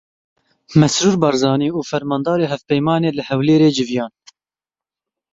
Mesrûr Barzanî û Fermandarê hevpeymanê li Hewlêrê civiyan.